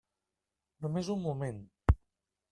Només un moment.